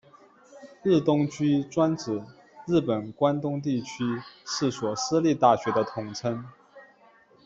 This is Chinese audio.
日东驹专指日本关东地区四所私立大学的统称。